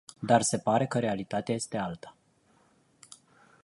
Dar se pare că realitatea este alta.